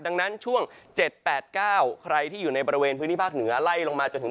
ดังนั้นช่วง๗๘๙ใครที่อยู่ในบริเวณพื้นที่ภาคเหนือไล่ลงมาจนถึง